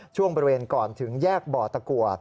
ช่วงบริเวณก่อนถึงแยกบ่อตะกัว